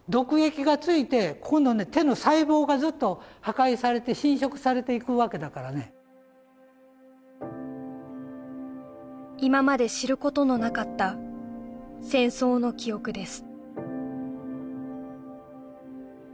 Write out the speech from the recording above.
細胞がずっと破壊されて侵食されていくわけだからね今まで知ることのなかった戦争の記憶です